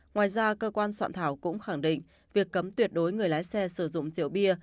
ngoài ra cơ quan soạn thảo cũng khẳng định việc cấm tuyệt đối người lái xe sử dụng rượu bia